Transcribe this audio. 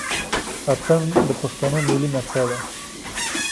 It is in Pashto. اتڼ د پښتنو ملي نڅا ده.